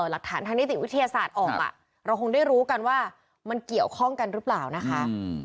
หลักฐานทางนิติวิทยาศาสตร์ออกเราคงได้รู้กันว่ามันเกี่ยวข้องกันหรือเปล่านะคะ